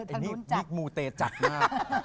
ไอ้นี่ลิกมูเตจัดมาก